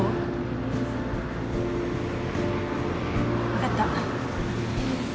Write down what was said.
分かった。